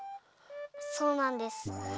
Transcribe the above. そうなんです。